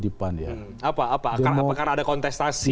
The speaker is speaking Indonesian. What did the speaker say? apa apakah ada kontestasi